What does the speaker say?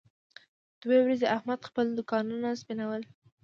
دوه ورځې احمد خپل دوکانونه سپینول.